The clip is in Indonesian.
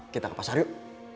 kita ke pasar yuk